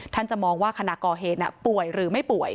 จะมองว่าขณะก่อเหตุป่วยหรือไม่ป่วย